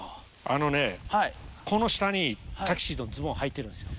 あのね、この下に、タキシードのズボン、はいているんですよ。